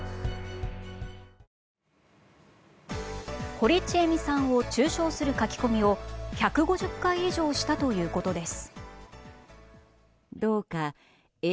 堀ちえみさんを中傷する書き込みを１５０回以上したということです。